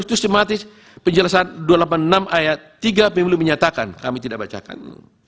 sistematis penjelasan dua ratus delapan puluh enam ayat tiga pemilu menyatakan kami tidak bacakan